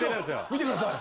見てください。